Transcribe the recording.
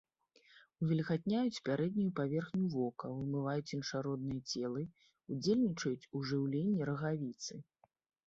Увільгатняюць пярэднюю паверхню вока, вымываюць іншародныя целы, удзельнічаюць у жыўленні рагавіцы.